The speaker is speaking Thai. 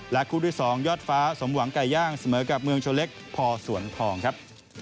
คู่ที่๒ยอดฟ้าสมหวังไก่ย่างเสมอกับเมืองชนเล็กพอสวนทองครับ